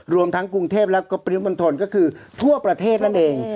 รวมทั้งกรุงเทพฯแล้วก็ประโยชน์บนถนนก็คือทั่วประเทศนั่นเอง